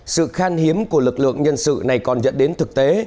sự khan hiếm của lực lượng nhân sự này còn dẫn đến thực tế